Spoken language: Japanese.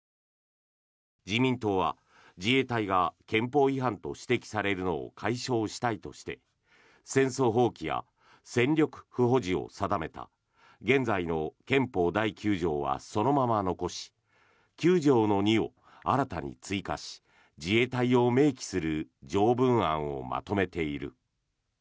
自民党は、自衛隊が憲法違反と指摘されるのを解消したいとして戦争放棄や戦力不保持を定めた現在の憲法第９条はそのまま残し９条の２を新たに追加し自衛隊を明記する条文案をまとめている。